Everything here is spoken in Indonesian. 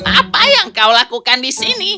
apa yang kau lakukan di sini